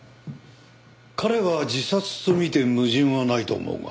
彼は自殺とみて矛盾はないと思うが。